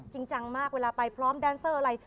จริงจังมากเวลาไปพร้อมแดนเซอร์อะไร